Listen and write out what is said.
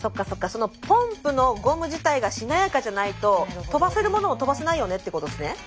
そのポンプのゴム自体がしなやかじゃないと飛ばせるものも飛ばせないよねってことですね？